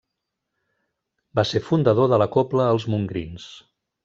Va ser fundador de la cobla Els Montgrins.